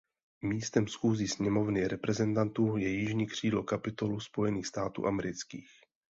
Místem schůzí Sněmovny reprezentantů je jižní křídlo Kapitolu Spojených států amerických.